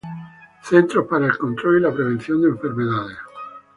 Centros para el Control y la Prevención de Enfermedades